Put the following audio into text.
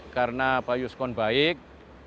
karena pak yuskon baik